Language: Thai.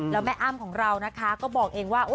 แล้วแม่อ้ำของเรานะคะก็บอกเองว่า